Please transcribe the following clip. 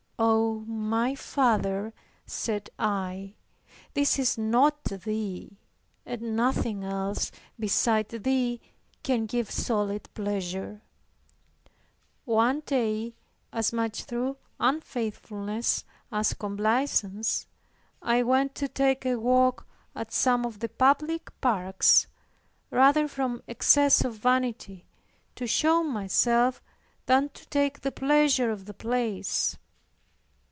"Oh, my Father," said I, "this is not Thee; and nothing else, beside Thee, can give solid pleasure." One day, as much through unfaithfulness as complaisance, I went to take a walk at some of the public parks, rather from excess of vanity to show myself than to take the pleasure of the place.